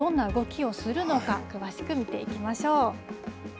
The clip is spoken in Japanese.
ではこの台風、このあとどんな動きをするのか、詳しく見ていきましょう。